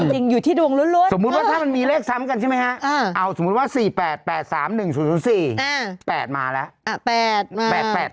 จริงอยู่ที่ดวงล้วนสมมุติว่าถ้ามันมีเลขซ้ำกันใช่ไหมฮะเอาสมมุติว่า๔๘๘๓๑๐๐๔๘มาแล้ว